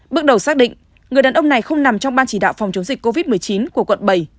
bước đầu xác định người đàn ông này không nằm trong ban chỉ đạo phòng chống dịch covid một mươi chín của quận bảy